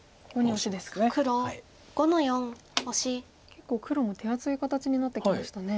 結構黒も手厚い形になってきましたね。